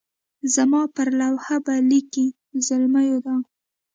زما پر لوحه به لیکئ زلمیو دا.